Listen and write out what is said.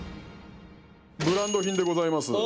ブランド品でございます。